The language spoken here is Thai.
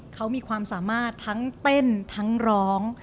เขามีความสามารถทั้งเต้นทั้งร้อง